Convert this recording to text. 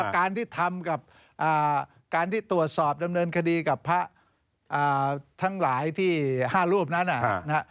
การที่ตรวจสอบดำเนินคดีกับพระทั้งหลายที่๕รูปนั้นอะฮะ